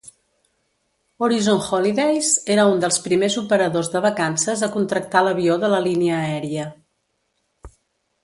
Horizon Holidays era un dels primers operadors de vacances a contractar l'avió de la línia aèria.